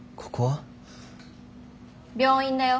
病院だよ。